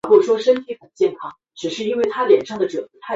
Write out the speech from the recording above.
他和他的领主们就睡在希奥罗特大殿中去等待哥伦多。